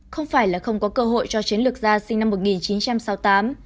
không phải là không có cơ hội cho chiến lược gia sinh năm một nghìn chín trăm sáu mươi tám